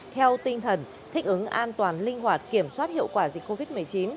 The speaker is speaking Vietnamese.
theo tinh thần thích ứng an toàn linh hoạt kiểm soát hiệu quả dịch covid một mươi chín